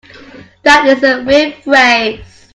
That is a weird phrase.